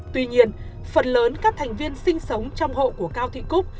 tuy nhiên phần lớn các thành viên sinh sống trong hộ của cao thị cúc